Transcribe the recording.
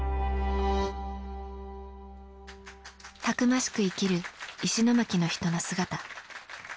たくましく生きる石巻の人の姿。